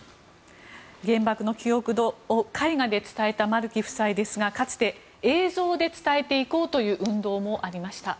原爆の記憶を絵画で伝えた丸木夫妻ですがかつて、映像で伝えていこうという運動もありました。